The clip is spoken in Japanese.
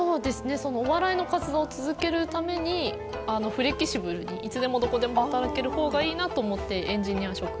そのお笑いの活動を続けるためにフレキシブルにいつでもどこでも働ける方がいいなと思ってエンジニア職。